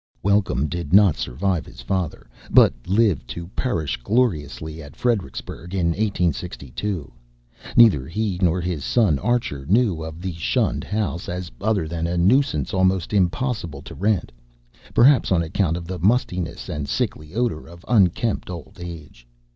Welcome did not survive his father, but lived to perish gloriously at Fredericksburg in 1862. Neither he nor his son Archer knew of the shunned house as other than a nuisance almost impossible to rent perhaps on account of the mustiness and sickly odor of unkempt old age.